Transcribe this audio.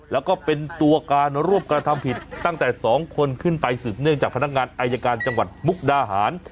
แล้วก็เป็นตัวการร่วมกระทำผิดตั้งแต่๒คนขึ้นไปสืบเนื่องจากพนักงานอายการจังหวัดมุกดาหาร